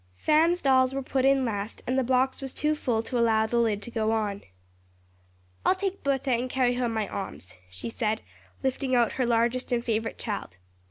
Fan's dolls were put in last and the box was too full to allow the lid to go on. "I'll take Bertha and carry her in my arms," she said, lifting out her largest and favorite child.